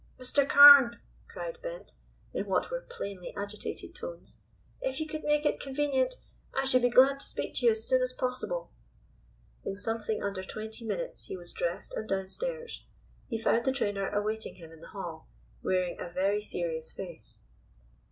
"Mr. Carne," cried Bent, in what were plainly agitated tones, "if you could make it convenient I should be glad to speak to you as soon as possible." In something under twenty minutes he was dressed and downstairs. He found the trainer awaiting him in the hall, wearing a very serious face.